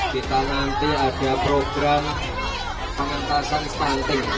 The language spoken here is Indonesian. kita nanti ada program pengentasan stunting